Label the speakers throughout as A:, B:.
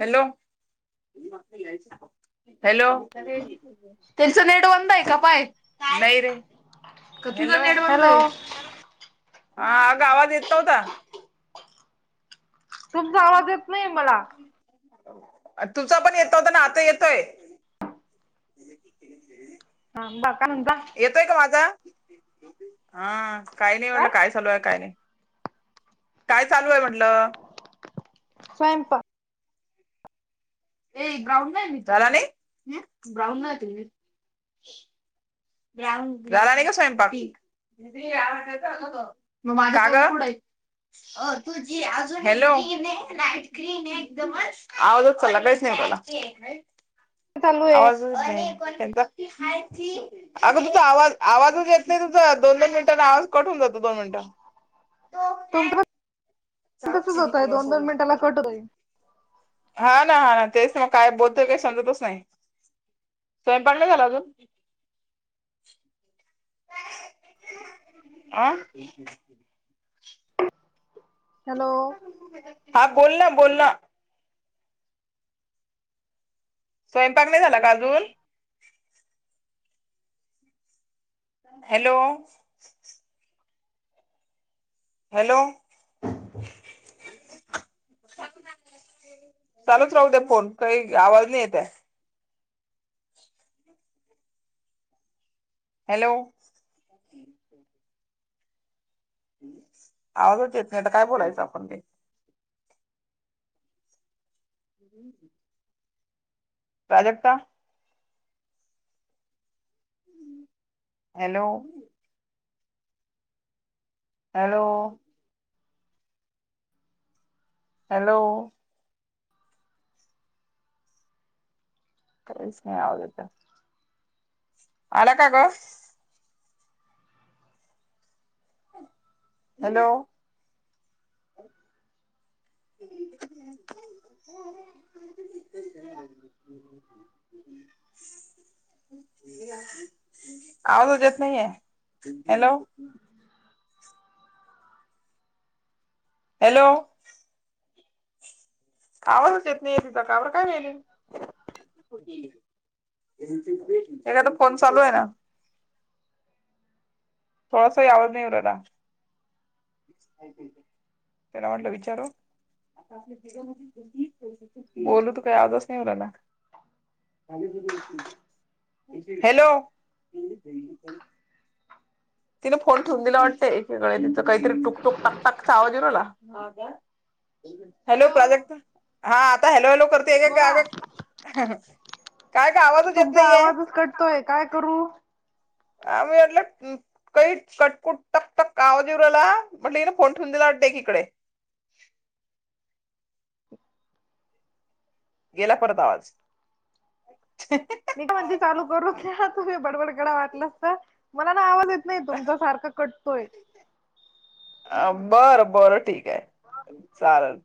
A: Hello hello त्यांच net बंद हाय का पाय नाही रे क तिझा नेट बंद
B: हॅलो
A: हाय हा अग आवाज येत नव्हता.
B: तुमचा आवाज येत नाही मला
A: तुझ पण येत नव्हता ना आता येतोय.
B: बा काय म्हणता
A: येतोय का माझा हा काही नाही म्हटलं काय चालू आहे काही नाही काय चालू आहे म्हटल
B: स्वयंपाक
A: ए ग्राउंड नाही मी झाला नाय ग्राउंड नाही त मी झाला नाही का स्वयंपाक? दिदी आवाज येतो ग म माझा फोन कुडय अ तुझी अजून हलोन आहे लाट क्रीन आहे एकदमच आवाजच चालला [unintelligible] बोला
B: चालू आहे
A: आवाजचं येत नाय तेंचा अगं तुझ आवाज आवाजच येत नाही तुझ दोन दोन मिनिटांने आवाज कत होऊन जातो दोन मिनिटं-
B: तुम पण तसच होतय दोन दोन मिनिटाला कट होतोय.
A: हा ना हा ना तेच मग काय बोलतोय काय समजतच नाय. स्वयंपाण नाय झाला अजून आं
B: हॅलो
A: हा बोल ना बोल ना स्वयंपाक नाय झाला का अजून हॅलो हॅलो चालूच राहू दे फोन काही आवाज नाही येत ये. हॅलो आवाजच येत नाही आता काय बोलायचं आपण काय [inaudible] प्राजक्ता. हॅलो हॅलो हॅलो त आलेेत आलाकगो हॅलो हम् [unintelligible] आवाजज येत नाहीये हॅलो. हॅलो. कावरच येत नाही तिथं कावर काय मिले. त्या तर फोन चालू आहे ना. थोडासा आवज नाही येऊ रायला. त्याला म्हटलं विचारू. बोलू तू काही आवाजच नाहीलाला. खली त. [unintelligible] हॅलो. तिने फोन ठेवून दिला वाटतंय एकेगळे तिचं काहीतरी टुक टुक टाक टाकचा आवाज येत होता. [inaudible] हॅलो प्राजेक्ट हा आता हॅलो हेॅलो करतेय का
B: बोला
A: का का. आवाजच येत
B: तुमचा
A: नाहीये
B: आवाजच कटतोय काय करू.
A: आम्ही म्हटलं. काही कटकुट टक टक कावाजेवऱ्याला म्हंटलं की ना फोन ठेवून दिला वाटते एक इकडे. [inaudible] गेला परत आवाज.
B: मी म्हण चालू करू तुम्ही बडबडगडा वाटलास तर मला ना आवाज येत नाही तुमच सारखं. पकटतोय.
A: अ बरं बरं ठीक आहे चालेल.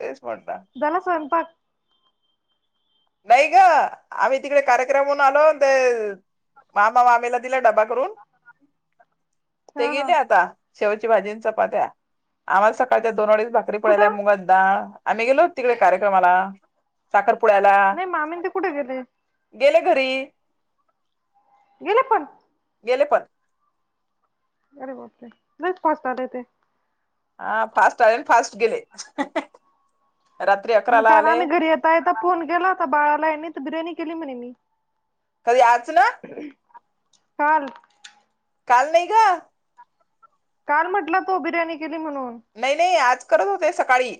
A: तेच म्हटलं
B: झाला स्वयपाक.
A: नाही ग आम्ही तिकडे कार्यक्रम होऊून आलो ते. मामा मामेला दिला डबा करून ते
B: हा हा
A: गेले आता. शेवची भाजी चपात्या आम्हाला सकाळच्या दोन अडीस भाकरी पडल्या
B: कुठं
A: मुगात डाळ. आम्ही गेलोत तिकडे कार्यक्रमाला साखरपुड्याला.
B: नाही मामी ते कुठे गेले.
A: गेले घरी.
B: गेले पण.
A: गेले पण.
B: अरे बपले नाही पचताले ते. [unintelligible]
A: हा फास्ट आले फास्ट गेले. रात्री
B: मग
A: अकराला
B: काल
A: आले
B: आम्ही घरी येता येता फोन केला होता, बाळाला आहे तर बिर्याणी केली म्हणे मी.
A: कधी आच ना.
B: काल.
A: काल लय ग.
B: काल म्हटला तो बिर्याणी क
A: नाही नाही आज करत होते सकाळी.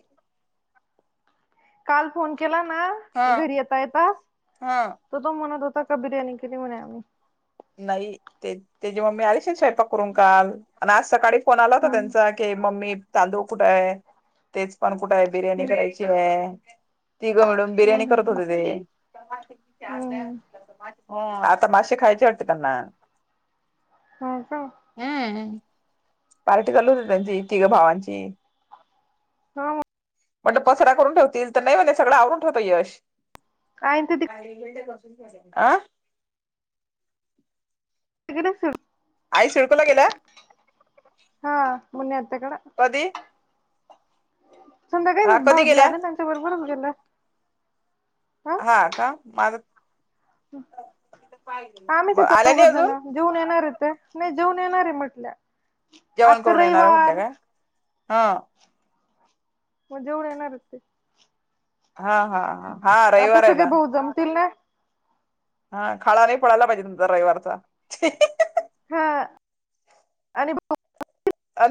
B: काल फोन केला ना,
A: हा
B: घरी येता येतास
A: हा
B: त तो म्हणत होत. त का बरयाणी की म्हनी.
A: नाही ते तेची मग मी आलीश स्वयंपाक करून काल. आणि आज सकाळी फोन आला होता,
B: हम्म
A: त्यांचा की मम्मी चादू कुठे आहे तेच पण. कुठ आहे बिर्याणी
B: हम्म
A: करायची आहे. ती ग मॅडम बिर्याणी करत
B: हम्म हम्म
A: होते ते.
B: हम्म
A: आता मासे खायचे वाटते त्यांना?
B: हो का
A: हम्म. पार्टी कलू होती त्यांची तिघ भावांची.
B: हा
A: म्हणल पसरा करून ठेवतील, तर नाइ म्हणे सगळं आवरून ठेवत यश.
B: आई ते
A: आ
B: तिकडं सु
A: आई सिडकोला गेल्या
B: [unintelligible] हा, मुन्नी आत्या कड
A: कधी
B: संध्याकाळी
A: हा कधी
B: भाऊजी
A: गेल्या
B: आले, त्यांच्या बरोबर गेले.
A: हा का? माझं
B: आम्हीच इथ
A: आल्या नाही
B: दोघजण
A: अजून
B: जेऊन येणारयत नाइ जेऊन येणार म्हटल,
A: जेवण
B: आजचा
A: करून येणार म्हटलं
B: रविवार.
A: काय हा.
B: मग जेऊण येणारयत ते.
A: हा, हा, हा, हा
B: आता
A: रविवारय
B: सगळे
A: ना.
B: भाऊ जमतील ना
A: हा खाडा नाई पडायला पाहिजे तुमचा रविवारचा.
B: हा आणि ब
A: अ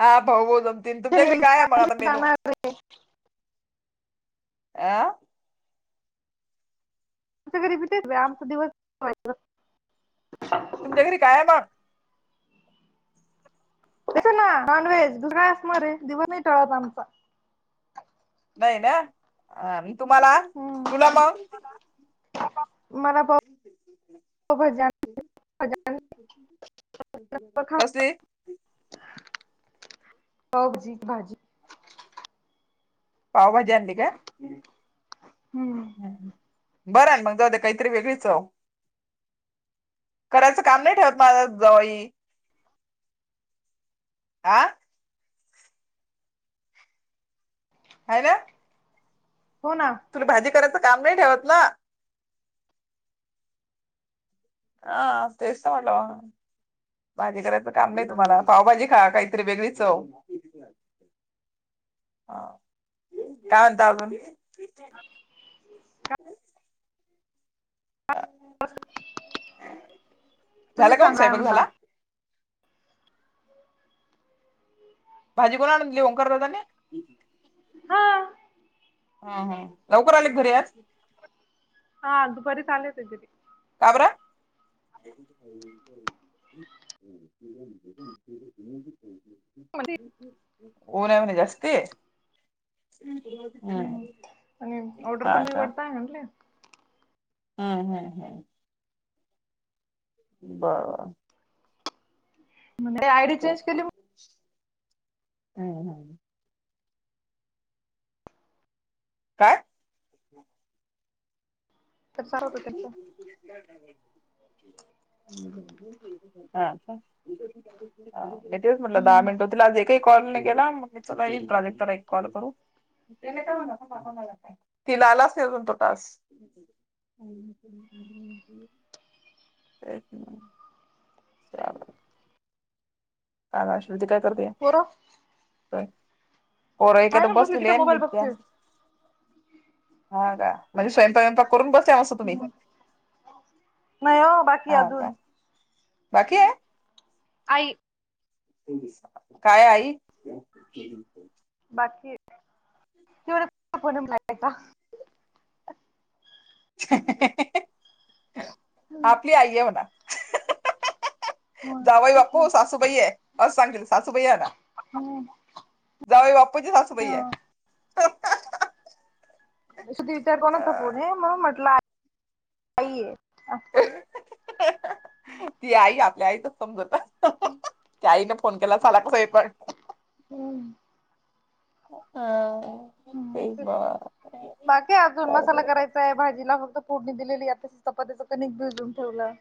A: हा भाऊ, भाऊ जमतील तुमच्या घरी काय आहे म आता
B: आमच्या
A: मेनू? आं
B: री व्यायामचा दिवस
A: तुमच्या घरी कायय मग?
B: त ना नॉनव्हेज. दुसरा काय असणारय दिवस नाही टळत आमचा.
A: नाही ना मी तुम्हाला
B: हम्म
A: तुला मग
B: मला पाव भजी आणले, भजी आणले.
A: कसली?
B: पावभाजी भाजी
A: [inaudible] पावभाजी आणली काय?
B: हम्म
A: बरंय ना, म जाऊद्या काइतरी वेगळी चव. करायचं काम नाही ठेवत माझा जावई. आ हाय ना?
B: हो ना
A: तुम्ही भाजी करायचं काम नाही ठेवत ना? अह तेस म्हणल भाजी करायचं काम नाइ तुम्हाला, पावभाजी खा काहीतरी वेगळी चव. हा काय म्हणता अजून? [unintelligible]
B: तुम्ही
A: झालं का मंग
B: सांगा काय
A: स्वयंपाक
B: म्हणता
A: झाला? भाजी कोण आणून दिली ओंकार दादाने?
B: हा.
A: हम्, हम् लवकर आले का घरी आज?
B: हा दुपारीच आले होते त्यांनी.
A: का बर? [unintelligible] ऊन हाय म्हणे जास्ती.
B: हम्म आणि ऑर्डर पण
A: हा का
B: निवडताय म्हणले.
A: हम्म, हम्म, हम्म. बर.
B: म्हणे आयडी चेंज केली
A: आहे [unintelligible] काय?
B: तर चालत होत त्यांचं
A: [unintelligible] हा का मी तेच म्हटलं दहा मिनिटं लागती ते कॉल न गेला म चला ईल तो अजून त्याला चला एक कॉल करू ते नाही का म्हणा कोणा कोणाला काय तिला आलाच नाही अजून तो टास्क. तेच ना. [unintelligible] का ग अश्विनी इथे काय करतेयय
B: पोरं
A: काय? पोरं
B: काय
A: एखादा
B: ना बसली ती
A: बसलेले
B: काय
A: आहे मी
B: मोबाईल
A: त्या
B: बघते
A: हा का म्हंजे स्वयंपाक वयंपाक करून बसल्या मस्त तुम्ही
B: नाही हो बाकीय
A: हा
B: अजून
A: का बाकी आहे?
B: आई.
A: काय आई?
B: बाकीय [unintelligible]
A: आपली आई आहे म्हणा.
B: हो
A: जावई
B: तेच ना
A: बापू सासूबाई आहे, असं सांगेल सासूबाई आना.
B: हम्म.
A: जावईबापूंची सासूबाई आहे.
B: सुधिरचा कोणाचा फोन
A: अं,
B: आहे म्हणून म्हटलं आ आई ये
A: ती आई आप ते आईचच समजवत त्या आईने फोन केला साला कस हे को
B: हम्म.
A: अं
B: बाकी अजून मसाला करायचा आहे, भाजीला फक्त फोड मी दिलेली या. चपातीच कणिक भिजूऊन ठेवलं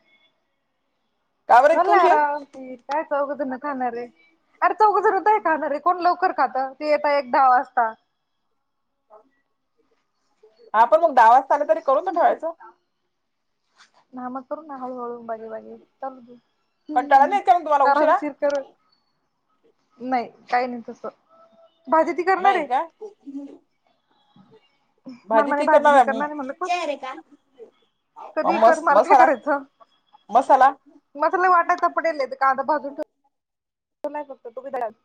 A: का बरं इतका
B: भरलं आहे
A: उशीर?
B: आरामशिर काय चौघ जन खाणारे. अरे चौघ जनं त है खाणारे कोण लवकर खातं ते यता एक दहा वाजता.
A: हा पण मगं दहा वाजता आले तरी, करून तर ठेवायचं.
B: मामा कडून हां हाळूहाळू बागे बागे चालू दील,
A: कंटाळा
B: हम्म
A: नाही येत का मग तुम्हाला उशिरा?
B: आरामशीर करल. नाई काई नाई तसं. भाजी ती करणार
A: नाई
B: आहे.
A: काय? भाजी ती करणार आहे मी.
B: कधी कर
A: मस
B: मला काय
A: मसाला
B: करायचं
A: मस
B: मसाला वाटायच पडेलय ते कादा भाजून ठेव ठूलाय फक्त तो बी दळेल.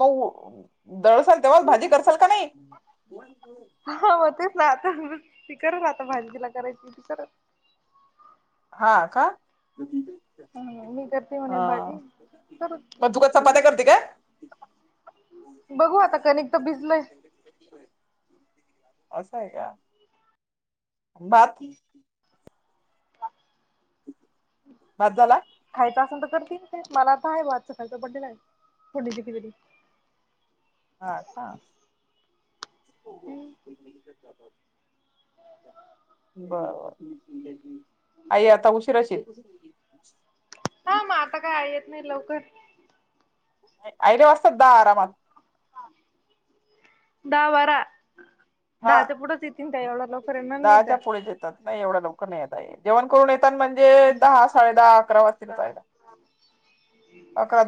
A: मग अ दळसाल तेंव्हाच भाजी करसाल का नाई?
B: हा मग तेच ना आता, ती करल आता भाजी तिला करायची ती करल.
A: हां का?
B: ह मी करते म्हणे
A: हा
B: भाजी करूच
A: म तु काय चपात्या करती काय?
B: बघू आता कणिक त भिजलय.
A: असं हाय का? बाकी भात झाला?
B: खायच असंन त करतीन. मला आता हाय भात, सकाळचा पडलेला हाय फोडणीची खिचड़ी.
A: हां का? बरं बर आई आता उशीराच ईल.
B: हा म आता काय, आई येत नाही लवकर.
A: आईला वाजतात दहा आरामात.
B: दहा बारा.
A: हा
B: दहाच्या पुुढंच येतील त्या एवढ्या लवकर येणार नाही
A: दहाच्या
B: त्या
A: पुढेच येतात नाही एवढ्या लवकर नाही येत आई जेवण करून येत पण म्हणजे दहा साडे दहा अकरा वाजतीलच आईला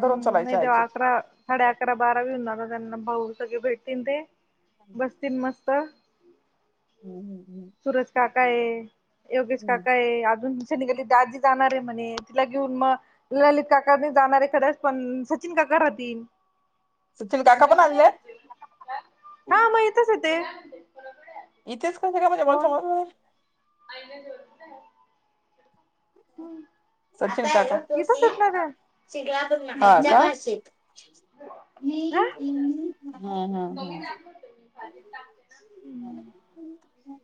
B: हम्म नाही दहा अकरा साडे अकरा बाराबी होणार हो त्यांना भाऊ सगळे भेट तील ते बसतील मस्त
A: हम्म्
B: सूरज काका आहे योगेश काका आहे अजून ली दाी जाणार आहे म्हणे तिला घेऊन मग ललित काका जाणार आहे कच पण सचिन का मगरद्दीन
A: सचिन काका पण आलेले आहेत
B: हा मग येतच ते
A: इथेच कयं काय म्हणजे मला सांग आहे
B: अईन जोत हम्म
A: शिषिक
B: हा
A: हा हा हा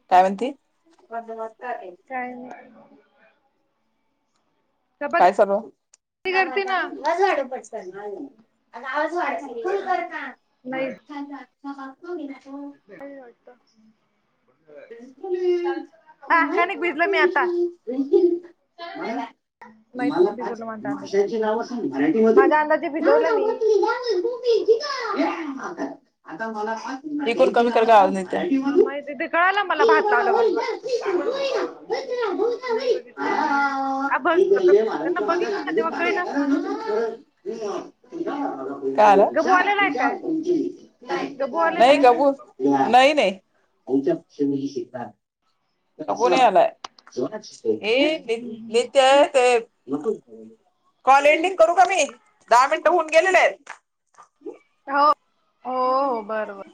A: काय म्हणती
B: काय नाही
A: काय
B: चपाती
A: चालव
B: करते
A: आता
B: ना
A: आज वाडू पच कर ना आ आज वाढ फुल करता
B: नाही का वाटत हा
A: मला
B: कणिक भिजलं मी आता
A: म्हणाला
B: माहित
A: तुमला
B: नाही
A: आच
B: भिजवलं माझ्या
A: भाषांची
B: अंदाजे
A: नाव असे मराठी मधून
B: माझ्या अंदाजे भिजवलं मी
A: आता आता मला तिकड कमी कर का आज नाही त्या
B: ळाला मला भात लावलं बरोबर नाही बघितली
A: आ,
B: मी आ बघ
A: ही गल्ली आहे
B: खातनाना बघितली ना तेव्हा कळनास ना
A: ह कायला
B: गबू आलेला आहे काय गबू आलेला
A: नाही
B: आहे
A: गबू नाही नाही च्या शता ह लित ते कॉल एंडिंग करू का मी दहा मिनिटं होऊन गेलेले आहेत
B: हो हो हो बर बर